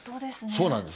そうなんです。